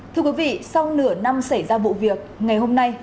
thưa quý vị sau nửa năm xảy ra vụ việc ngày hôm nay